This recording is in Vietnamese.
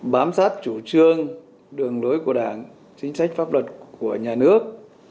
bám sát chủ trương đường lối của đảng chính sách pháp luật của nhà nước